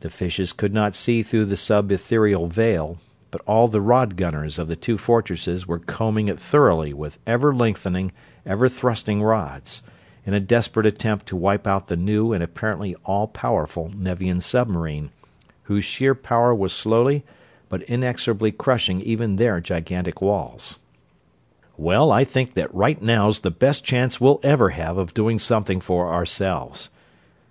The fishes could not see through the sub ethereal veil, but all the rod gunners of the two fortresses were combing it thoroughly with ever lengthening, ever thrusting rods, in a desperate attempt to wipe out the new and apparently all powerful Nevian submarine, whose sheer power was slowly but inexorably crushing even their gigantic walls. "Well, I think that right now's the best chance we'll ever have of doing something for ourselves."